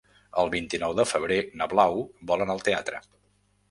El vint-i-nou de febrer na Blau vol anar al teatre.